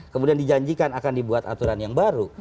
kemudian dijanjikan akan dibuat aturan yang baru